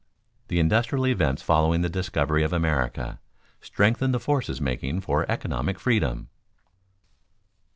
_The industrial events following the discovery of America strengthened the forces making for economic freedom.